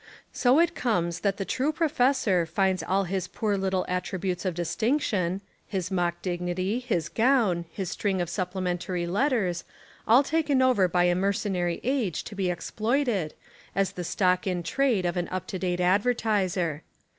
So it comes that the true professor finds all his poor little attributes of distinction, — his mock dignity, his gown, his string of sup plementary letters — all taken over by a mer cenary age to be exploited, as the stock in trade of an up to date advertiser.